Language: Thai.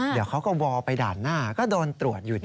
เดี๋ยวเขาก็วอลไปด่านหน้าก็โดนตรวจอยู่